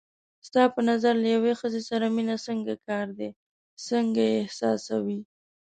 ستا په نظر له یوې ښځې سره مینه څنګه کار دی، څنګه یې احساسوې؟